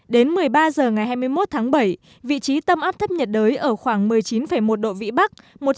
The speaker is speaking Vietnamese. đến một mươi ba h ngày hai mươi một tháng bảy vị trí tâm áp thấp nhiệt đới ở khoảng một mươi chín một độ vĩ bắc